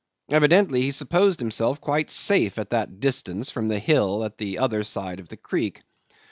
Evidently he supposed himself quite safe at that distance from the hill on the other side of the creek.